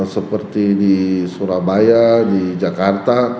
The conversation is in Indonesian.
seperti di surabaya di jakarta